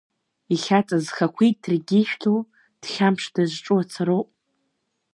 Ихьаҵыз, хақәиҭракгьы ишәҭоу, дхьамԥш дызҿу ацароуп.